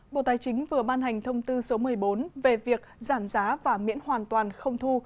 bộ tài chính vừa ban hành thông tư số một mươi bốn về việc giảm giá và miễn hoàn toàn không thu